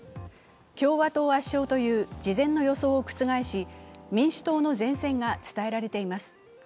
共和党圧勝という事前の予想を覆し、民主党の善戦が伝えられています。